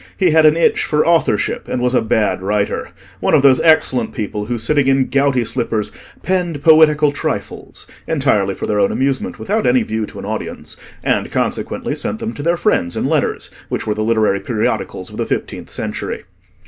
—he had an itch for authorship, and was a bad writer—one of those excellent people who, sitting in gouty slippers, "penned poetical trifles" entirely for their own amusement, without any view to an audience, and, consequently, sent them to their friends in letters, which were the literary periodicals of the fifteenth century.